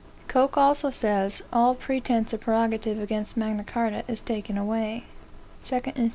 Coke also says, "All pretence of prerogative against Magna Charta is taken away." 2 Inst.